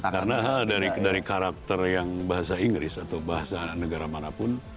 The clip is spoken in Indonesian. karena dari karakter yang bahasa inggris atau bahasa negara manapun